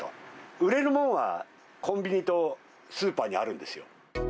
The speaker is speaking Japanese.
売れるものはコンビニとスーパーにあるんですよ。